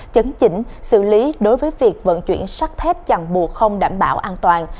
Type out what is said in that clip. chấn chỉnh xử lý đối với việc vận chuyển sắt thép chẳng buộc không đảm bảo an toàn